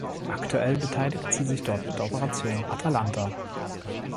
Aktuell beteiligt sie sich dort an der Operation "Atalanta".